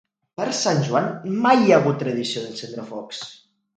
Per Sant Joan mai hi ha hagut tradició d'encendre focs.